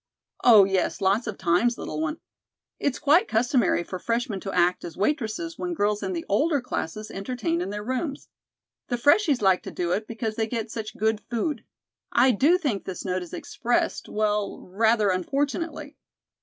"Oh, yes, lots of times, little one. It's quite customary for freshmen to act as waitresses when girls in the older classes entertain in their rooms. The freshies like to do it because they get such good food. I do think this note is expressed, well rather unfortunately.